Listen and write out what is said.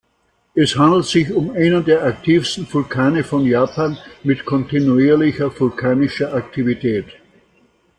Es handelt sich um einen der aktivsten Vulkane von Japan mit kontinuierlicher vulkanischer Aktivität.